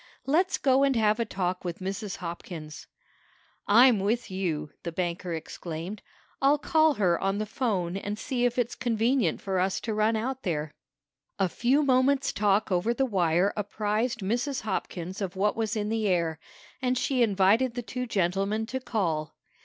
Let's go and have a talk with Mrs. Hopkins." "I'm with you!" the banker exclaimed. "I'll call her on the 'phone and see if it's convenient for us to run out there." A few moments' talk over the wire apprised Mrs. Hopkins of what was in the air, and she invited the two gentlemen to call.